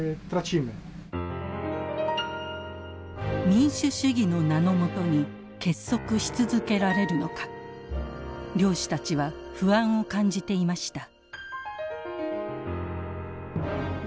民主主義の名の下に結束し続けられるのか漁師たちは不安を感じていました。